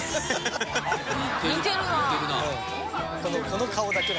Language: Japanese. この顔だけ。